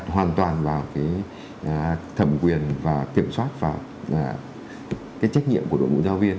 hoàn toàn vào thẩm quyền và kiểm soát và cái trách nhiệm của đội ngũ giáo viên